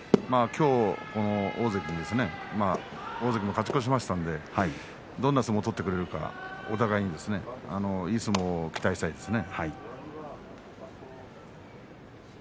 今日、大関戦大関も勝ち越しましたからどんな相撲を取ってくるかお互いいい相撲を期待したいと思います。